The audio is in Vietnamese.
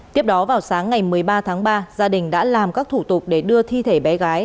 tiếp đó vào sáng ngày một mươi ba tháng ba gia đình đã làm các thủ tục để đưa thi thể bé gái